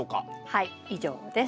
はい以上です。